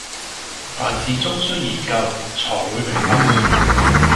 凡事總須研究，纔會明白。